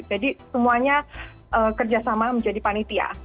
jadi semuanya kerjasama menjadi panitia